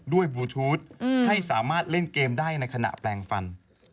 บลูทูธให้สามารถเล่นเกมได้ในขณะแปลงฟัน